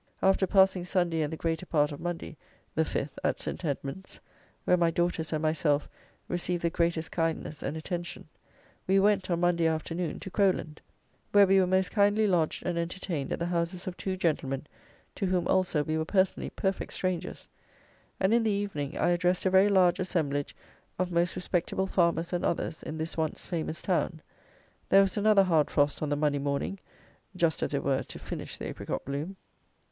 After passing Sunday and the greater part of Monday (the 5th) at St. Edmund's, where my daughters and myself received the greatest kindness and attention, we went, on Monday afternoon, to Crowland, where we were most kindly lodged and entertained at the houses of two gentlemen, to whom also we were personally perfect strangers; and in the evening, I addressed a very large assemblage of most respectable farmers and others, in this once famous town. There was another hard frost on the Monday morning; just, as it were, to finish the apricot bloom.